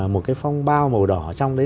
một cái phong bao màu đỏ trong đấy